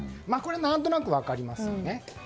何となく分かりますよね。